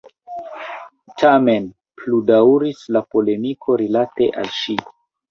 Tamen pludaŭris la polemiko rilate al ŝi.